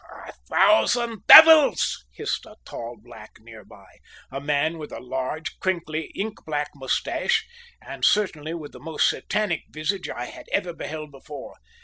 "A thousand devils!" hissed a tall black near by a man with a large, crinkly, ink black moustache, and certainly with the most satanic visage I had ever beheld before.